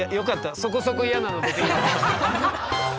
そこそこ嫌なの出てきた。